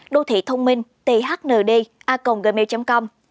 đô thị thông minh thnd a gmail com